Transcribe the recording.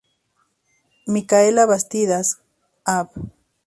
Micaela Bastidas, Av.